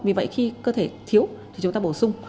vì vậy khi cơ thể thiếu thì chúng ta bổ sung